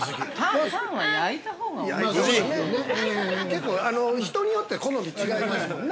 ◆結構あのー、人によって好み違いますもんね。